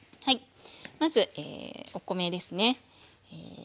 まずお米ですね。